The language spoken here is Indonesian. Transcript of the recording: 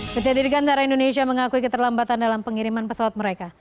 pt dirgantara indonesia mengakui keterlambatan dalam pengiriman pesawat mereka